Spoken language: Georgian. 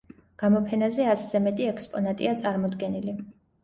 გამოფენაზე ასზე მეტი ექსპონატია წარმოდგენილი.